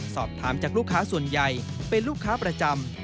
สอบถามจากลูกค้าส่วนใหญ่เป็นลูกค้าประจำ